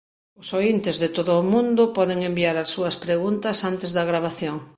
Os oíntes de todo o mundo poden enviar as súas preguntas antes da gravación.